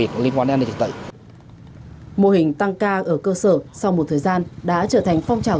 khi ngày ngày đều có hình bóng của những chiến sĩ công an